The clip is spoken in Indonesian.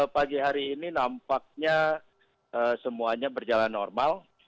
pagi hari ini nampaknya semuanya berjalan normal